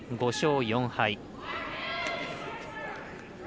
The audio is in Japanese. ５勝４敗。